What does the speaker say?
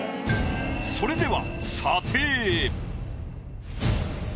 それでは。